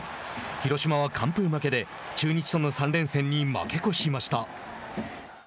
広島は完封負けで中日との３連戦に負け越しました。